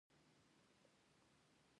انسان داسې محسوسوي چې د ړق سره مې ملا ماتيږي